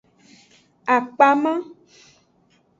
Akpama.